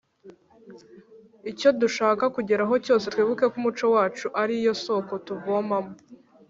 icyo dushaka kugeraho cyose, twibuke ko umuco wacu ari wo soko tuvomamo.